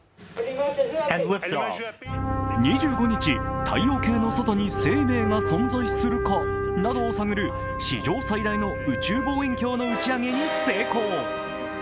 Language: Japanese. ２５日、太陽系の外に生命が存在するかなどを探る史上最大の宇宙望遠鏡の打ち上げに成功。